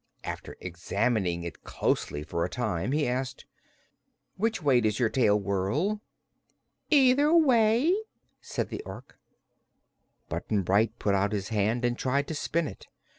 After examining it closely for a time he asked: "Which way does your tail whirl?" "Either way," said the Ork. Button Bright put out his hand and tried to spin it.